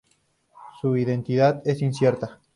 Su identidad es incierta.